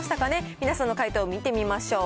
皆さんの解答見てみましょう。